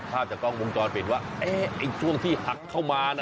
ภาพจากกล้องวงจรเปลี่ยนว่าไอ้ช่วงที่หักเข้ามา